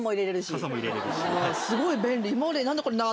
すごい便利。